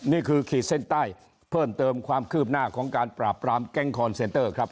ขีดเส้นใต้เพิ่มเติมความคืบหน้าของการปราบปรามแก๊งคอนเซนเตอร์ครับ